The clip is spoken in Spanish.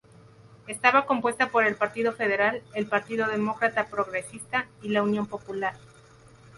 Estaba compuesta por el Partido Federal, el Partido Demócrata Progresista, y la Unión Popular.